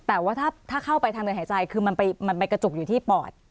แต่ว่าถ้าเข้าไปทางเดินหายใจคือมันไปกระจุกอยู่ที่ปอด